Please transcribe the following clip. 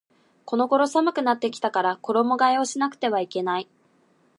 この頃寒くなってきたから衣替えをしなくてはいけない